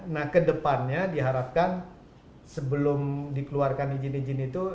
nah kedepannya diharapkan sebelum dikeluarkan izin izin itu